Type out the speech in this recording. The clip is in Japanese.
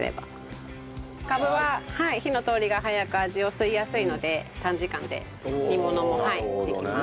カブは火の通りが早く味を吸いやすいので短時間で煮物もできます。